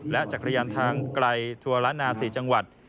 และจักรยานทางไกลทัวร์ล้านนา๔จังหวัด